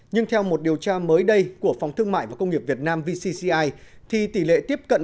nhưng theo một điều tra mới đây của phòng thương mại và công nghiệp việt nam vcci thì tỷ lệ tiếp cận